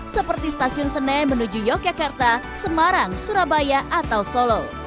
seperti stasiun senen menuju yogyakarta semarang surabaya atau solo